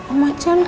om achan kangen